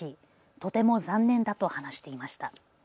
とても残念だと話していました。